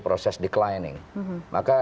proses declining maka